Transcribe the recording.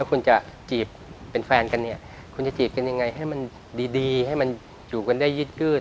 คุณจะจีบเป็นแฟนกันเนี่ยคุณจะจีบกันยังไงให้มันดีให้มันอยู่กันได้ยืด